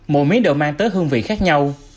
mỗi miếng đều mang tới hương vị khác nhau